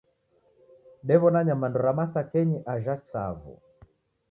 Dewona nyamandu ra masakenyi ajha Tsavo